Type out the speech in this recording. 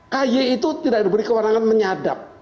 ky itu tidak diberi kewenangan menyadap